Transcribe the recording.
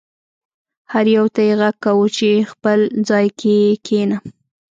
هر یو ته یې غږ کاوه چې خپل ځای کې کښېنه.